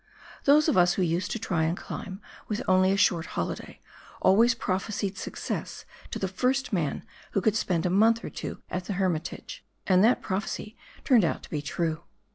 Those of us who used to try and climb with only a short holiday, always prophesied success to the first man who could spend a month or two at the Hermitage, and that prophecy turned out to be true.